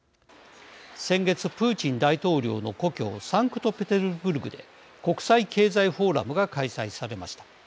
先月、プーチン大統領の故郷サンクトペテルブルクで国際経済フォーラムが開催されました。